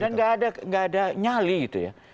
dan nggak ada nyali gitu ya